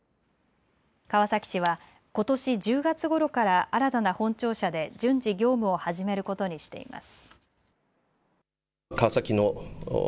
川崎市はことし１０月ごろから新たな本庁舎で順次、業務を始めることにしています。